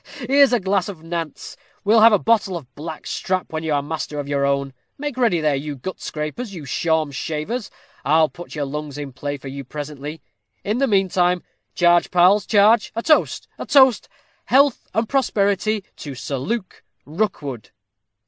here's a glass of Nantz; we'll have a bottle of black strap when you are master of your own. Make ready there, you gut scrapers, you shawm shavers; I'll put your lungs in play for you presently. In the meantime charge, pals, charge a toast, a toast! Health and prosperity to Sir Luke Rookwood!